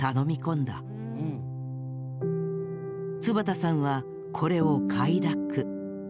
坪田さんはこれを快諾。